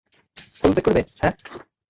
পদত্যাগ করবে, হাহ?